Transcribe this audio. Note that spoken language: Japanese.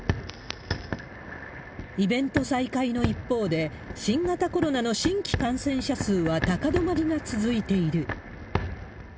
イベント再開の一方で、新型コロナの新規感染者数は高止まりが続いている。